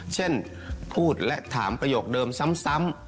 เช่นพูดและถามประโยคเดิมซ้ำ